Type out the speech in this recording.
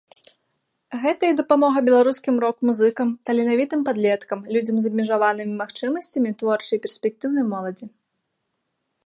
Гэта і дапамога беларускім рок-музыкам, таленавітым падлеткам, людзям з абмежаванымі магчымасцямі, творчай перспектыўнай моладзі.